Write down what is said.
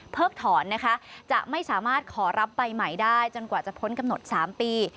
ถอนนะคะจะไม่สามารถขอรับใบใหม่ได้จนกว่าจะพ้นกำหนด๓ปี